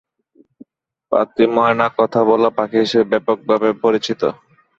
পাতি ময়না কথা বলা পাখি হিসেবে ব্যাপকভাবে পরিচিত।